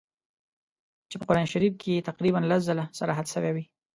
چي په قرآن شریف کي یې تقریباً لس ځله صراحت سوی وي.